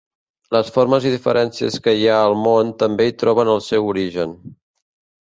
Les formes i diferències que hi ha al món també hi troben el seu origen.